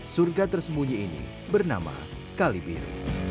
surga tersembunyi ini bernama kalibir